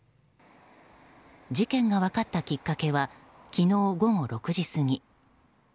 事件が分かったきっかけは昨日午後６時過ぎ。